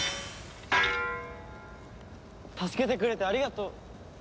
助けてくれてありがとう。